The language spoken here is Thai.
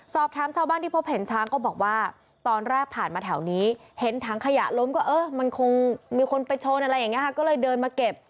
สอบถามชาวบ้านที่พบเห็นช้างก็บอกว่าตอนแรกผ่านมาแถวนี้เห็นถังขยะล้มก็เออมันคงมีคนไปชนอะไรอย่างนี้ค่ะก็เลยเดินมาเก็บ